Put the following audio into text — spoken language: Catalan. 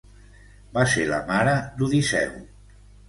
Va ser la mare d'Odisseu.